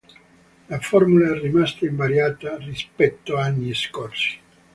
La formula è rimasta invariata rispetto anni scorsi.